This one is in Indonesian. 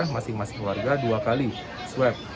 masing masing warga dua kali swab